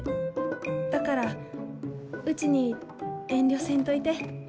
だからうちに遠慮せんといて。